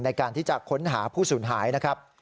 ในการที่จะค้นหาผู้สูญหายนะครับ